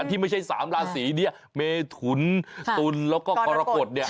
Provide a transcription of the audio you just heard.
ที่ไม่ใช่๓ราศีเมทุนตุนแล้วก็กรกฎ